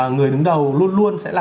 người đứng đầu luôn luôn sẽ là